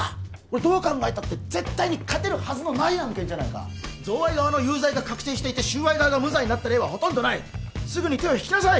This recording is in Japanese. どう考えたって絶対に勝てるはずのない案件じゃないか贈賄側の有罪が確定していて収賄側が無罪になった例はほとんどないすぐに手を引きなさい！